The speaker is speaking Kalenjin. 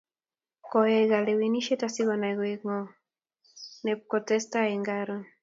Koyai kalewenisiet asikonai kowek ng'o nepkotaksei eng' karon.